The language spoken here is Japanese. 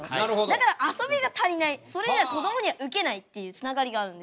だらかあそびが足りないそれじゃこどもにはウケないっていうつながりがあるんですよ。